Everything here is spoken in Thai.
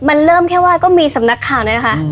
มันเริ่มแค่ว่าก็มีสำนักข่าวนี้นะคะ